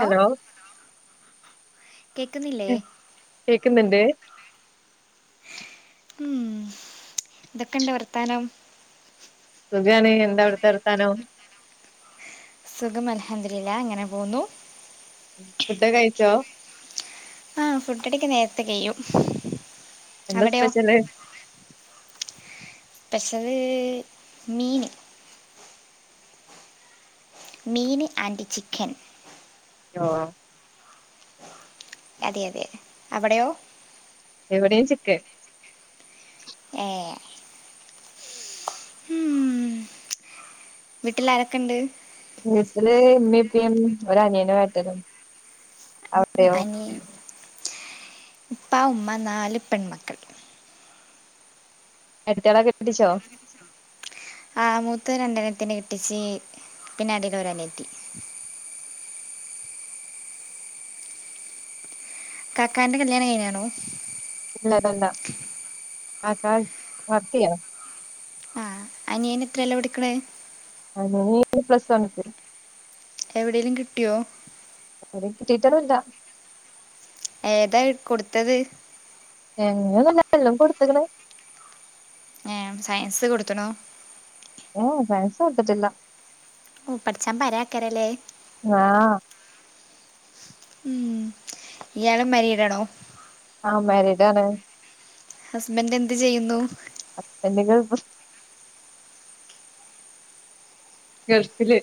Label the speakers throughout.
Speaker 1: Hello
Speaker 2: കേക്കുന്നില്ലേ
Speaker 1: കേക്ക്ന്നുണ്ട്
Speaker 2: ഉം എതൊക്കെ ഉണ്ട് വർത്താനം
Speaker 1: സുഖണ് എന്താ അവിടുത്തെവർത്താനം
Speaker 2: സുഖം അൽഹംദുലില്ലാഹ് അങ്ങനെ പോകുന്നു
Speaker 1: ഫുഡ്‌ കഴിച്ചോ
Speaker 2: ആഹ് ഫുഡ്ഡടിയൊക്കെ നേരത്തെ കയ്യും
Speaker 1: എന്താ സ്പെഷ്യല്
Speaker 2: സ്പെഷ്യല് മീന് മീനി ആൻറ്റി ചിക്കൻ
Speaker 1: യോ
Speaker 2: അതെ അതെ അവിടെയോ
Speaker 1: ഇവിടെയും ചിക്കൻ
Speaker 2: ഏഹ് വീട്ടിൽ ആാരൊക്കെ ഉണ്ട്
Speaker 1: വീട്ടില് ഇമ്മീം, ഇപ്പീഒരനിയനും ഏട്ടനും അവിടെയോ
Speaker 2: അനിയൻ ഉപ്പാ ഉമ്മ നാല് പെൺമക്കൾ
Speaker 1: എട്ടത്തിയാളൊ കെട്ടിച്ചോ
Speaker 2: ആഹ് മൂത്ത് രണ്ടണത്തിനെ കിട്ടിച്ച് പിന്നെ അടിൽ ഒരനിയത്തി കാക്കാന്റെ കല്യാണം കയ്ഞാണോ
Speaker 1: ഇല്ലതല്ല കാക്ക വർക്ക് ചെയ്യാണ
Speaker 2: അനിയന് എത്രല്ല പഠിക്കണേ
Speaker 1: ഓനിനി പ്ലസ് വൺ ക്ക്
Speaker 2: എവിടെയേങ്കലും കിട്ടിയോ
Speaker 1: എവിടിം കിട്ടീട്ടൊന്നും ഇല്ല
Speaker 2: ഏതാ കൊടുത്തത്
Speaker 1: അങ്ങനെ ഒന്നും ഇല്ല എല്ലാം കൊടുത്തക്ണ്
Speaker 2: സയൻസ് കൊടുത്തണോ
Speaker 1: ഓ സയൻസ് കൊടുത്തിട്ടില്ല
Speaker 2: പഠിച്ചാൻ പരാക്കരല്ലേ
Speaker 1: ആഹ്
Speaker 2: ഉം ഇയാളും മരിടണോ
Speaker 1: ആഹ് മാരീഡ് ആണ്
Speaker 2: ഹസ്ബന്റ് എന്ത് ചെയ്യുന്നു
Speaker 1: ഹസ്ബൻഡ് ഗൾഫ് ഗൾഫില്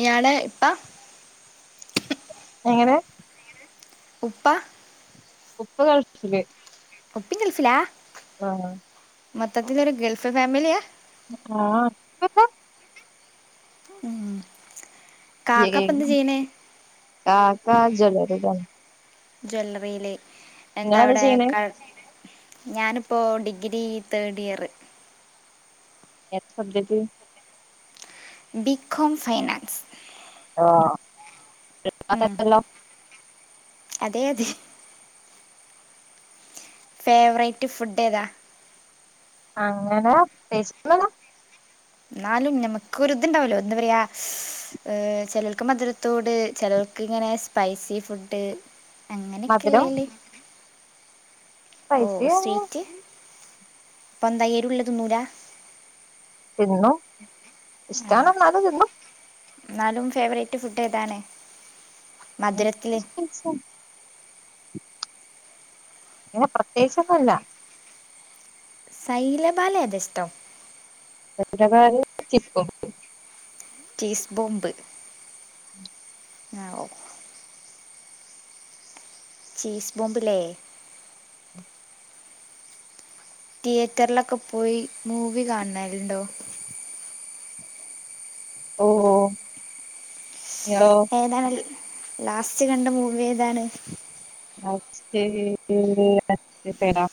Speaker 2: ഇയാള ഇപ്പ
Speaker 1: എങ്ങനെ
Speaker 2: ഉപ്പ
Speaker 1: ഉപ്പ് ഗൾഫില്
Speaker 2: ഉപ്പിംകൾഫിലാ
Speaker 1: ആഹ്
Speaker 2: മൊത്തത്തില് ഒരു ഗൾഫ് ഫാമിലിയാ
Speaker 1: ആഹ്
Speaker 2: ഉം
Speaker 1: ഏഹ് കാക്ക ജ്വല്ലറിയിലാണ്
Speaker 2: ജ്വല്ലറിയില്
Speaker 1: നിങ്ങളെന്താ
Speaker 2: എന്താവിടെ
Speaker 1: ചെയ്യണേ
Speaker 2: ക ഞാനിപ്പോൾ ഡിഗ്രി തേഡ് ഇയറ്
Speaker 1: ഏതാ സബ്ജറ്റ്
Speaker 2: ബിക്കോം സയൻസ് ഉം
Speaker 1: ല്ലോ [inaudible]
Speaker 2: അതെ അതെ ഫേവറേറ്റ് ഫുഡ് ഏതാ?
Speaker 1: അങ്ങനെ പ്രത്യേകിച്ചൊന്നുല്യ
Speaker 2: ന്നാലും ഞമ്മക്ക് ഒരു ഇത്ണ്ടാവലോ എന്താ പറയാ ഏ ചേലോൽക്ക് മധുരത്തോട് ചേലോൽക്ക് ഇങ്ങനെ സ്പൈസി ഫുഡ്
Speaker 1: മധുരം
Speaker 2: അങ്ങനെക്കെള്ളല് ഓ
Speaker 1: സ്പൈസി
Speaker 2: സ്ട്രീറ്റ് പ്പൊന്തയ്യേരുള്ളത്തിന്നൂലാ
Speaker 1: തിന്നും ഇഷ്ടാണ്ന്നാലും തിന്നും
Speaker 2: ന്നാലും ഫേവറേറ്റ് ഫുഡ് ഏതാണ് മധുരത്തില്
Speaker 1: സ ഇങ്ങനെ പ്രത്യേകിച്ചൊന്നുല്ല
Speaker 2: സൈ ലബാൻ ൽ ഏതാ ഇഷ്ടം
Speaker 1: സൈൻ ലബാനും ചിപ്പും
Speaker 2: ചീസ്ബോംബ് ആ ഓ ചീസ് ബോംബ് ലേ തിയേറ്ററിലൊക്കെ പോയി മൂവി കാണല്ണ്ടോ
Speaker 1: ഓ ഇങ്ങളോ?
Speaker 2: ഏതാണ് ലാസ്റ്റ് കണ്ട മൂവി ഏതാണ്?
Speaker 1: ലാസ്റ്റ് ഇപ്പം ഏതാ?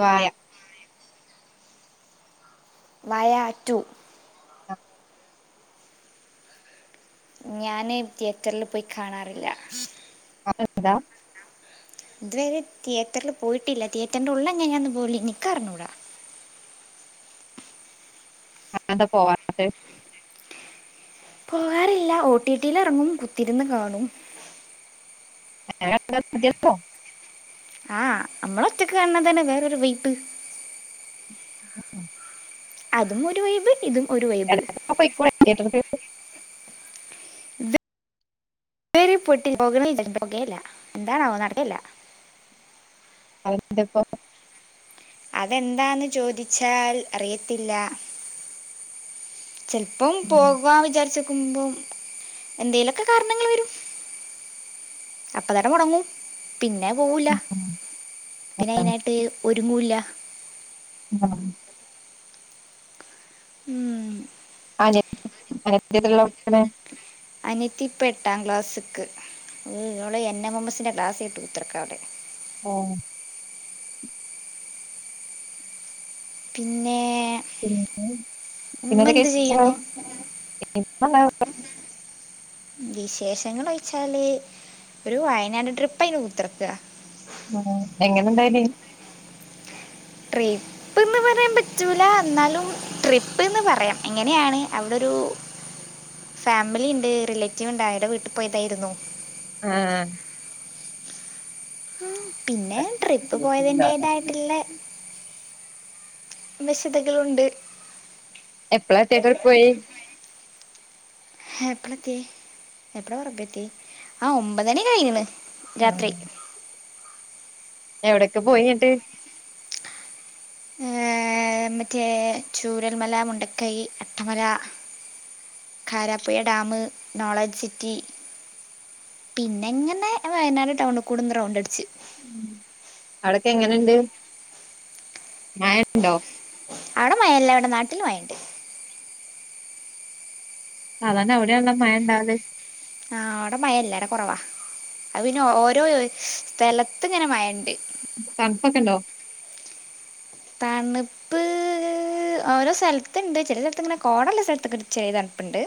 Speaker 1: വായ
Speaker 2: വായ റ്റൂ
Speaker 1: ആ
Speaker 2: ഞാന് തിയേറ്ററിൽ പോയി കാണാറില്ല
Speaker 1: അതെന്താ?
Speaker 2: ഇതുവരെ തിയേറ്ററിൽ പോയിട്ടില്ല തിയേറ്ററിന്റെ ഉള്ളെങ്ങഞാന്ന് പോലും ഇൻക്ക് അറിഞ്ഞൂടാ
Speaker 1: അഎന്താ പോവാത്തെ?
Speaker 2: പോവാറില്ല ഓടിടിയില് എറങ്ങും കുത്തിരുന്ന് കാണും
Speaker 1: [inaudible] മതിയല്ലോ
Speaker 2: ആഹ് അമ്മള് ഒറ്റക്ക് കാണ്ന്നതന്നെ വേറൊരു വൈബ്
Speaker 1: ഉം
Speaker 2: അതും ഒരു വൈബ് ഇതും ഒരു വൈബ്
Speaker 1: ന്നാ പോയ്ക്കൂടെ തിയേറ്റർക്ക്
Speaker 2: പോകണം വിചാരിക്കും പോകേല്യ എന്താണാവോ നടക്കലില്ല
Speaker 1: അതെന്തേപ്പം?
Speaker 2: അതെന്താന്ന് ചോദിച്ചാൽ അറിയത്തില്ല ചെൽപ്പം പോവാ വിചാരിച്ച് നിക്കുമ്പോ എന്തേലൊക്കെ കാരണങ്ങൾ വരും അപ്പം തന്നെ മുടങ്ങും പിന്നെ പോവൂല പിന്നെ അയിനായിട്ട് ഒരുങ്ങുംല്ല
Speaker 1: ആ
Speaker 2: ഉം
Speaker 1: അനിയത്തി അനിയത്തി എത്രയില പടിക്കുന്നേ?
Speaker 2: അനിയത്തി ഇപ്പം എട്ടാം ക്ലാസ്സ്‌ക്ക് ഹ് ഓള് എൻ എം എം എസ്സിൻ്റെ ക്ലാസ് കേട്ട് കുത്തർക്ക അവിടെ
Speaker 1: ഒ
Speaker 2: പിന്നെ.
Speaker 1: പിന്നെ പിന്നെ
Speaker 2: ഉമ്മ
Speaker 1: എന്തെക്കെ
Speaker 2: എന്ത്
Speaker 1: വിശേഷങ്ങൾ?
Speaker 2: ചെയ്യുന്നു വിശേഷങ്ങൾ ചോയ്ച്ചാല് ഒരു വയനാട് ട്രിപ്പ് കഴിഞ്ഞ് കുത്തർക്കാ
Speaker 1: ആ എങ്ങനെ ഇണ്ടായ്നി?
Speaker 2: ട്രീപ്പ് പ്പ്ന്ന് പറയാൻ പറ്റൂല. എന്നാലും ട്രിപ്പ്ന്ന് പറയാം എങ്ങനെയാണ് അവിടൊരു. ഫാമിലിണ്ട് റിലേറ്റീവ്ണ്ട് അയടെ വീട്ട് പോയതായിരുന്നു.
Speaker 1: ആഹ്
Speaker 2: ഉം പിന്നെ ട്രിപ്പ് പോയതിന്റെതായിട്ട്ള്ള. വശതകളുണ്ട്.
Speaker 1: എപ്പ്ളാറ്റേ ട്രിപ്പ്‌ പോയി.
Speaker 2: എപ്പ്ളെത്യേ എപ്പ്ളാ [unintelligible] ആ ഒമ്പതണി കഴിഞ്ഞ്ണ് രാത്രി.
Speaker 1: എവ്ടൊക്കെ പോയിങ്ങട്ട്.
Speaker 2: ഏർഹ് മറ്റേ Chooralmala Mundakkai Attamala. Karapuzha dam, knowledge city. പിന്നെങ്ങനെ വയനാട് ടൗണ് കൂടെന്ന് റൗണ്ട് അട്ച്ച്.
Speaker 1: അടൊക്കെ എങ്ങനെണ്ട്? മയണ്ടോ?
Speaker 2: അവ്ടെ മയല്ല. ഇവടെ നാട്ട്ല് മയണ്ട്.
Speaker 1: സാധാരണ അവിടെയൺല്ലോ മഴണ്ടാവല്.
Speaker 2: ആഹ് അവ്ടെ മഴല്ല ആടെ കൊറവാ. അത് പിന്നെ ഓരോ സ്ഥലത്ത് ഇങ്ങനെ മഴണ്ട്.
Speaker 1: തൺപ്പൊക്കെണ്ടോ?
Speaker 2: തണ്പ്പ് ഓരോ സൽത്ത്ണ്ട് ചെല സെൽത്ത് ഇങ്ങനെ കോടള്ള സ്ഥലത്തൊക്കെ ചെറിയ തണുപ്പ്ണ്ട്.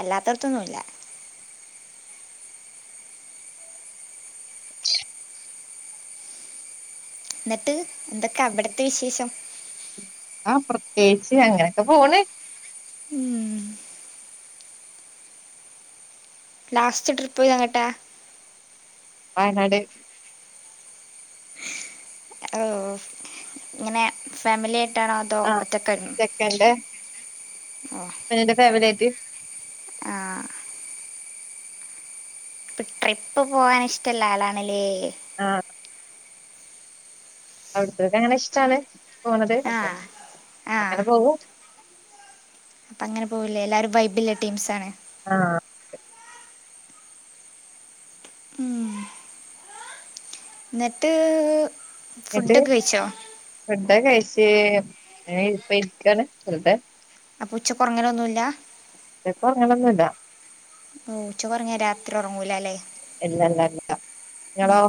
Speaker 2: അല്ലാത്തോട്ത്തൊന്നുംല്ല. ന്നിട്ട് എന്തൊക്കെ അവട്ത്തെ വിശേഷം?
Speaker 1: ആഹ് പ്രത്യേകിച്ച് അങ്ങനൊക്കെ പോണ്.
Speaker 2: ഉം. ലാസ്റ്റ് ട്രിപ്പ് എങ്ങട്ടാ?
Speaker 1: വയനാട്.
Speaker 2: ഓ ഇങ്ങനെ ഫാമിലിയായിട്ടാണോ അതോ ഒറ്റക്കാര്ന്നോ
Speaker 1: ഇക്കാന്റെ
Speaker 2: ആഹ്
Speaker 1: ന്റെ ഫാമിലിയായിട്ട്.
Speaker 2: ആഹ് അപ്പ ട്രിപ്പ് പോവാൻ ഇഷ്ടല്ല ആളാണ്ല്ലേ?
Speaker 1: ആഹ് അവ്ടുത്തോൽക്ക് അങ്ങനെ ഇഷ്ടാണ്. പോണത്
Speaker 2: ആ
Speaker 1: അപ്പോ
Speaker 2: ആ
Speaker 1: അങ്ങനെ പോവും.
Speaker 2: അപ്പൊ അങ്ങനെ പോവും ല്ലേ എല്ലാരും വൈബില്ല ടീംസാണ്.
Speaker 1: ആഹ്
Speaker 2: ന്നട്ട്
Speaker 1: എന്നിട്ട്
Speaker 2: ഫുഡൊക്കെ കഴിച്ചോ?
Speaker 1: ഫുഡൊക്കെ കഴിച്ച് ങ്ങനെ പ്പൊ ഇര്ക്കാണ് വെർതെ.
Speaker 2: അപ്പൊ ഉച്ചക്ക് ഒർങ്ങലൊന്നുല്ല.
Speaker 1: ഉച്ചക്ക് ഒർങ്ങലൊന്നുല്ല.
Speaker 2: ഉച്ചക്ക് ഒർങ്ങിയാ രാത്രി ഒർങ്ങൂലാല്ലെ.
Speaker 1: ഇല്ല ഇല്ല ഇല്ല നിങ്ങളോ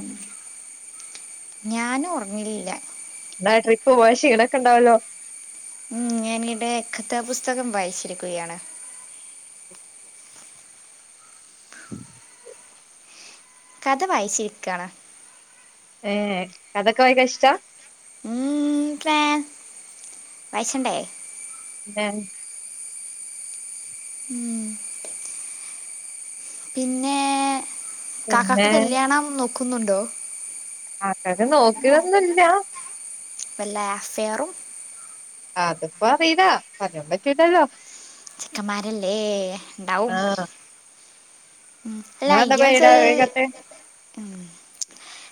Speaker 2: ഞാനും ഒർങ്ങലില്ലാ.
Speaker 1: ഇങ്ങളെ ട്രിപ്പ് പോയ ക്ഷീണൊക്കെണ്ടാവല്ലോ.
Speaker 2: ഉം ഞാനിടെ കഥാ പുസ്തകം വായിച്ചിരിക്കുകയാണ്. കഥ വായിച്ചിരിക്കാണ്.
Speaker 1: ഏഹ് കഥക്കെ വായിക്കാ ഇഷ്ടാ
Speaker 2: [unintelligible] വായിച്ചണ്ടേ
Speaker 1: ന്നേ
Speaker 2: ഉം പിന്നെ
Speaker 1: പിന്നെ
Speaker 2: കാക്കാക്ക് കല്യാണം നോക്കുന്നുണ്ടോ
Speaker 1: ആകാക്കാക്ക് നോക്കിയതൊന്നുമില്ല
Speaker 2: വല്ല ആഫെയറും
Speaker 1: അതിപ്പോ അറീല്ലാ പറയ പറ്റിട്ടല്ലോ
Speaker 2: ചിക്കന്മാരല്ലേ ഇണ്ടാവും
Speaker 1: ആ നിങ്ങളെന്താ പെരേല്
Speaker 2: ഇയാളത്
Speaker 1: ആലോയിക്കാത്ത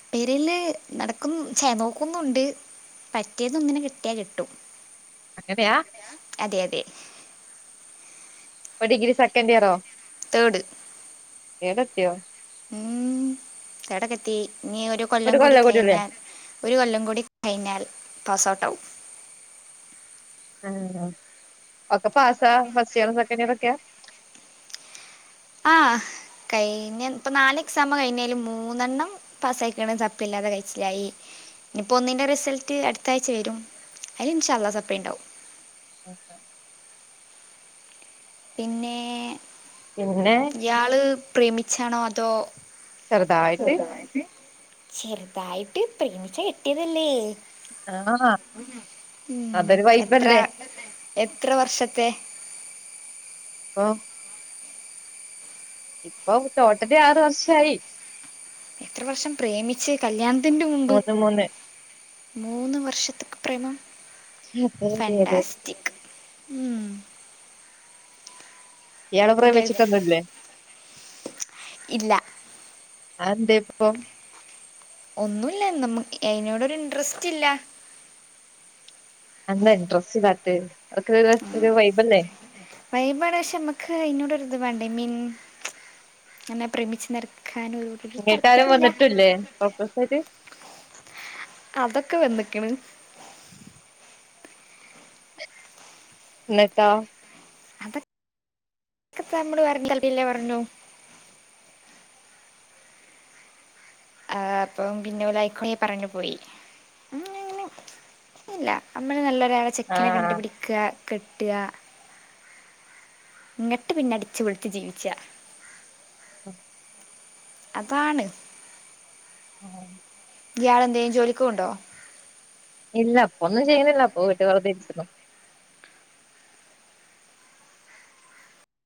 Speaker 2: പേരില് നടക്കും ചെ നോക്കുന്നുണ്ട് പറ്റിയത് ഒന്നിനെ കിട്ടിയാ കെട്ടും
Speaker 1: അങ്ങനെയാ
Speaker 2: ഞാൻ അതെ അതെ
Speaker 1: ഇപ്പ ഡിഗ്രി സെക്കൻഡ് ഇയറോ
Speaker 2: തേട്
Speaker 1: തേട് എത്തിയോ
Speaker 2: ഉം തേടക്കെത്തി നീ ഒരു കൊല്ലം കൂടി കഴിഞ്ഞാൽ ഒരു കൊല്ലം കൂടി കഴിഞ്ഞാൽ പാസ് ഔട്ട് ആവും
Speaker 1: ആ ഒക്കെ പാസാ ഫസ്റ്റ് ഇയറും സെക്കൻഡ് ഇയർക്കെയാ
Speaker 2: ആഹ കഴിഞ്ഞ ഇപ്പ നാല് എക്സാം കഴിഞ്ഞേലും മൂന്നെണ്ണം പസായിക്കിണ് സപ്പില്ലാതെ കഴിച്ചിലായി ഇനിപ്പോ ഒന്നിന്റെ റിസൾട്ട് അടുത്ത ആഴ്ച വരും അതി ഇൻശാഅല്ലാഹ്‌ സപ്ലി ണ്ടാവും
Speaker 1: ഓക്കെ
Speaker 2: പിന്നെ
Speaker 1: പിന്നെ
Speaker 2: ഇയാള് പ്രേമിച്ചാണോ അതോ ചെറുതായിട്ട് ചെറുതായിട്ട് പ്രേമിച്ച കെട്ടിയതല്ലേ
Speaker 1: ആ
Speaker 2: ഉം
Speaker 1: അതൊരു
Speaker 2: എത്ര
Speaker 1: വൈബല്ലേ
Speaker 2: എത്ര വർഷത്തെ
Speaker 1: ഓഹ് ഇപ്പൊ ടോട്ടലി ആറ് വർഷായി
Speaker 2: എത്ര വർഷം പ്രേമിച്ച് കല്യാണത്തിന്റെ മുമ്പ്
Speaker 1: മൂന്ന് മൂന്ന്
Speaker 2: മൂന്ന് വർഷത്തക്ക് പ്രേമം
Speaker 1: അതെ അതെ അതെ
Speaker 2: ഫൻറാസ്റ്റിക് ഉം
Speaker 1: ഇയാള്
Speaker 2: ഇപ്പം ഗൾഫ്
Speaker 1: പ്രേമിച്ചിട്ടൊന്നുല്ലേ
Speaker 2: ഇല്ല
Speaker 1: ആന്തെ ഇപ്പൊ
Speaker 2: ഒന്നൂല്ല നമ്മക്ക് അയിനോടൊരു ഇൻറ്രസ്റ്റില്ല
Speaker 1: എന്താ ഇൻട്രസ്റ്റ് ഇല്ലാറ്റെ അതൊക്ക രസ വൈബല്ലേ
Speaker 2: വൈബാണ് പക്ഷെ നമ്മക്ക് അയിനോടൊരിത് വേണ്ടേ മിൻ അങ്ങനെ പ്രമിച്ചു നിർക്കാനൊരു
Speaker 1: ഇങ്ങോട്ടാരും വന്നിട്ടുല്ലേ പ്പ്രൊപൊസായിട്ട്
Speaker 2: അതൊക്കെ വന്നിക്കിണ്
Speaker 1: എന്നട്ടോ
Speaker 2: പ്പ മ്മള് പറഞ്ഞു ല്ല പറഞ്ഞു ആ അപ്പം പിന്നെലായിക്കുണെ പറഞ്ഞു പോയി ഉം ഇല്ല അമ്മള്നല്ലൊരു ചെക്കനെ
Speaker 1: ആഹ്
Speaker 2: കണ്ടുപിടിക്ക ക്ക കെട്ടുക ഇങ്ങട്ട് പിന്നെ അടിച്ചുപൊളിച്ച് ജീവിച്ച
Speaker 1: അഹ
Speaker 2: അതാണ്
Speaker 1: ആ
Speaker 2: ഇയാളെന്തേലും ജോലിക്കോന്നുണ്ടോ
Speaker 1: ഇല്ല ഇപ്പൊന്നും ചെയ്യുണില്ല അപ്പൊ വീട്ടിലിരിക്കാസുഖം